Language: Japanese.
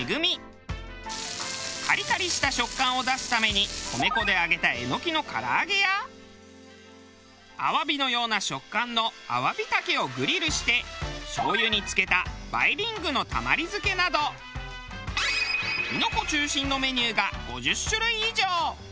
カリカリした食感を出すために米粉で揚げたエノキの唐揚げやアワビのような食感のアワビ茸をグリルしてしょうゆに漬けたバイリングのたまり漬けなどキノコ中心のメニューが５０種類以上。